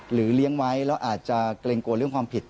เลี้ยงไว้แล้วอาจจะเกรงกลัวเรื่องความผิด